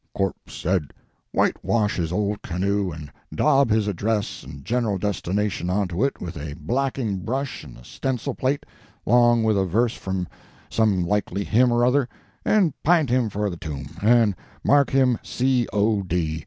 Corpse said, whitewash his old canoe and dob his address and general destination onto it with a blacking brush and a stencil plate, long with a verse from some likely hymn or other, and p'int him for the tomb, and mark him C. O. D.